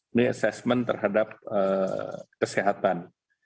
ini assessment terhadap kesehatan